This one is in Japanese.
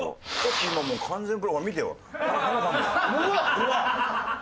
うわっ！